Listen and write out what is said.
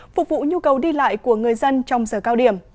phục vụ nhu cầu đi lại của người dân trong giờ cao điểm